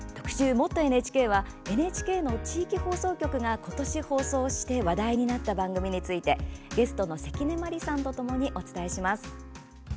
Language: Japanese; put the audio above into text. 「もっとＮＨＫ」はＮＨＫの地域放送局が今年、放送して話題になった番組についてゲストの関根麻里さんとともにお伝えします。